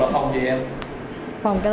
phòng là phòng gì em